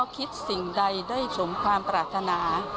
คิดสิ่งใดได้สมความปรารถนา